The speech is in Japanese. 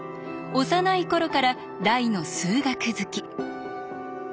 幼い頃から大の数学好き。